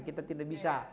kita tidak bisa